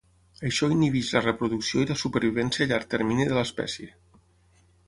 Això inhibeix la reproducció i la supervivència a llarg termini de l'espècie.